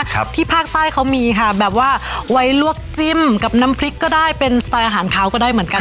ครับที่ภาคใต้เขามีค่ะแบบว่าไว้ลวกจิ้มกับน้ำพริกก็ได้เป็นสไตล์อาหารขาวก็ได้เหมือนกัน